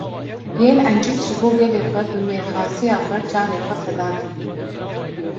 Yên egît ji bo gelê xwe bi mêrxasiya xwe, canê xwe feda kirine